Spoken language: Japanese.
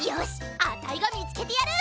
あたいがみつけてやる！